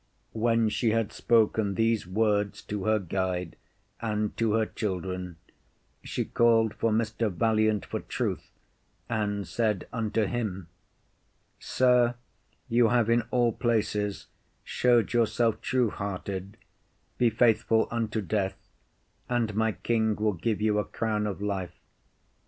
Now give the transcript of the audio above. When she had spoken these words to her guide and to her children, she called for Mr. Valiant for truth, and said unto him, Sir, you have in all places showed yourself true hearted; be faithful unto death, and my King will give you a crown of life.